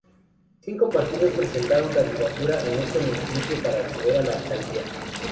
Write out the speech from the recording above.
Cinco partidos presentaron candidatura en este municipio para acceder a la alcaldía.